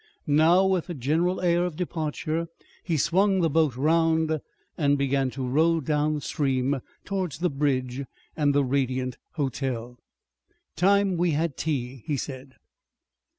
Now with a general air of departure he swung the boat round and began to row down stream towards the bridge and the Radiant Hotel. "Time we had tea," he said.